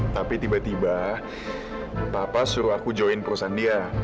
tapi tiba tiba papa suruh aku join perusahaan dia